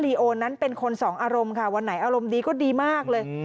โอนนั้นเป็นคนสองอารมณ์ค่ะวันไหนอารมณ์ดีก็ดีมากเลย